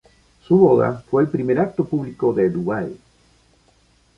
Su boda fue el primer acto público de Dubái.